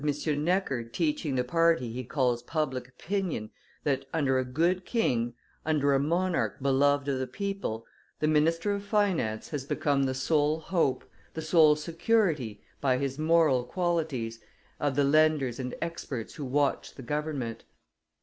Necker teaching the party he calls public opinion that under a good king, under a monarch beloved of the people, the minister of finance has become the sole hope, the sole security, by his moral qualities, of the lenders and experts who watch the government.